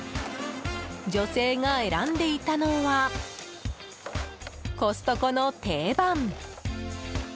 女性が選んでいたのはコストコの定番！